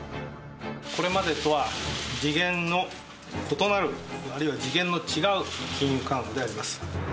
これまでとは次元の異なる、あるいは次元の違う金融緩和であります。